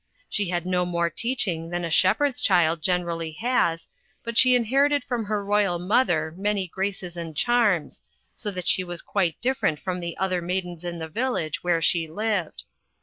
She had 74 THE CHILDREN'S SHAKESPEARE. no more teaching than a shepherd's child generally has, but she in herited from her royal mother many graces and charms, so that she was quite different from the other maidens in the village where she lived.